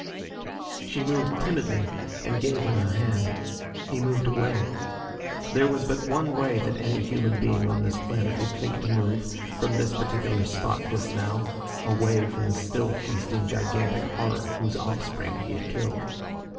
She moved timidly and gave him her hand. He moved away. There was but one way that any human being on this planet would think to move, from this particular spot just now away from the still feasting gigantic horror whose offspring he had killed.